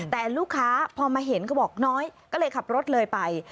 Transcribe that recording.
แต่ลูกค้าพอมาเห็นก็บอกน้อยก็เลยขับรถเลยไป